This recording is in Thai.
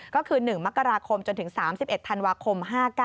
ก็คือ๑มกราคมจนถึง๓๑ธันวาคม๕๙